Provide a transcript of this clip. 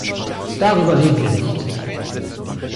Darüber reden wir nicht!